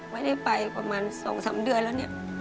ไม่ได้ไปประมาณ๒๓เดือนแล้วเนี่ย